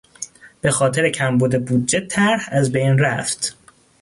به خاطر کمبود بودجه طرح از بین رفت.